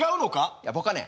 いや僕はね